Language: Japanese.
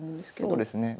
そうですね。